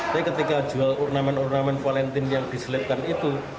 tapi ketika jual ornamen ornamen valentine yang diselipkan itu